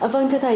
vâng thưa thầy